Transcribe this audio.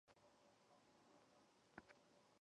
努亚达凯尔特神话中的战神。